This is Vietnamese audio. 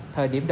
thời điểm đó